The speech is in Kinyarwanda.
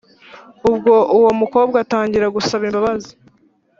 ubwo uwo mukobwa atangira gusaba imbabazi